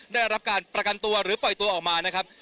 ได้รับการประกันตัวหรือปล่อยตัวออกมานะครับ